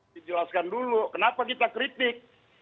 dijelaskan dulu kenapa kita kritik